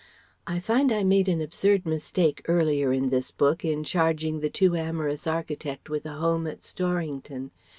[I find I made an absurd mistake earlier in this book in charging the too amorous architect with a home at "Storrington."